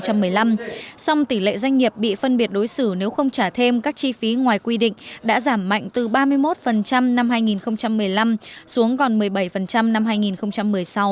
song tỷ lệ doanh nghiệp bị phân biệt đối xử nếu không trả thêm các chi phí ngoài quy định đã giảm mạnh từ ba mươi một năm hai nghìn một mươi năm xuống còn một mươi bảy năm hai nghìn một mươi sáu